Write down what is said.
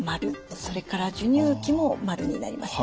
それから授乳期も○になります。